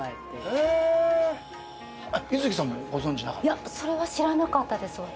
いやそれは知らなかったです私。